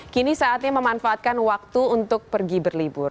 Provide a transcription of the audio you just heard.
kini saatnya memanfaatkan waktu untuk pergi berlibur